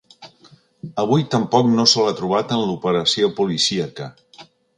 Avui tampoc no se l’ha trobat en l’operació policíaca.